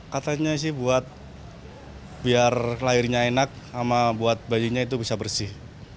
katanya sih buat biar lahirnya enak sama buat bayinya itu bisa bersih